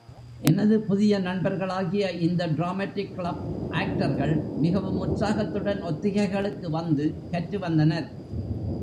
எனது புதிய நண்பர்களாகிய இந்த டிராமாடிக் கிளப் ஆக்டர்கள் மிகவும் உற்சாகத்துடன் ஒத்திகைகளுக்கு வந்து கற்று வந்தனர்.